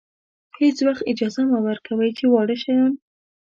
هېڅ وخت اجازه مه ورکوئ چې واړه شیان.